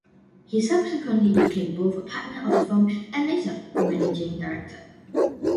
He subsequently became both a partner of the firm and later Managing Director.